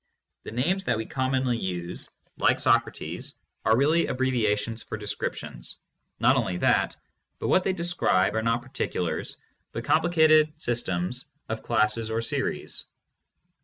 The names that we commonly use, like "Socrates," are really abbreviations for descriptions; not only that, but what they describe are not particulars but complicated systems of classes or series.